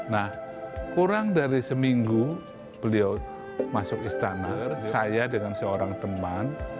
nah kurang dari seminggu beliau masuk istana saya dengan seorang teman